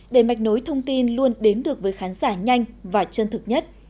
để mạch nối thông tin luôn đến được với khán giả nhanh và chân thực nhất